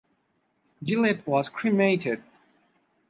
Gillette was cremated.